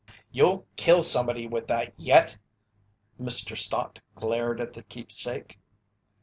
"You'll kill somebody with that yet!" Mr. Stott glared at the keepsake.